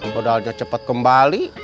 padahal dia cepet kembali